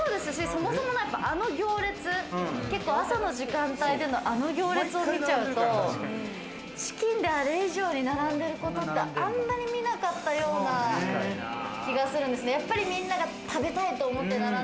そもそもあの行列、朝の時間帯であの行列を見ちゃうと、チキンであれ以上に並んでることって、あんまり見なかったような気がするんですよね。